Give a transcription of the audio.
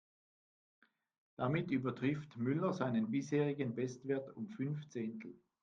Damit übertrifft Müller seinen bisherigen Bestwert um fünf Zehntel.